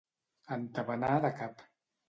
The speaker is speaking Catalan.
Entabanar de cap.